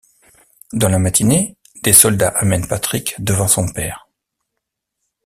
Dans la matinée, des soldats amènent Patrick devant son père.